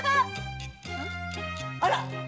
あら！